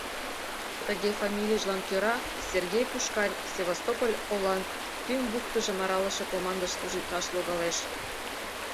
Тыге фамилийжылан кӧра Сергей Пушкарь Севастополь олан тӱҥ бухтыжым аралыше командыш служитлаш логалеш.